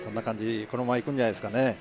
このままいくんじゃないですかね。